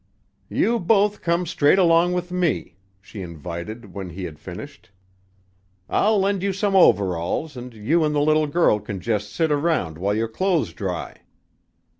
"You both come straight along with me," she invited when he had finished. "I'll lend you some overalls, and you and the little girl can just sit around while your clothes dry."